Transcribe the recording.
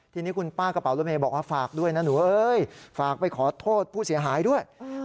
ทีนี้คุณป้ากระเป๋ารถเมย์บอกว่าฝากด้วยนะหนูเอ้ยฝากไปขอโทษผู้เสียหายด้วย